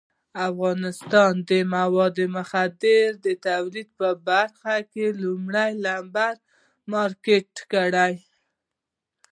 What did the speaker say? افغانستان یې د مخدره موادو د تولید په برخه کې لومړی نمبر مارکېټ کړی.